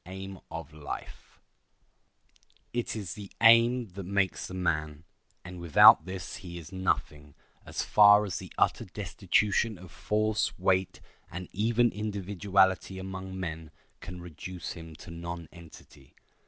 ] It is the aim that makes the man, and without this he is nothing as far as the utter destitution of force, weight, and even individuality among men can reduce him to nonentity.